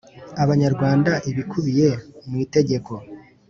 Abanyarwanda ibikubiye mu itegeko